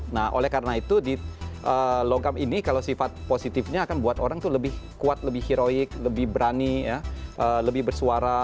nah oleh karena itu di logam ini kalau sifat positifnya akan buat orang itu lebih kuat lebih heroik lebih berani lebih bersuara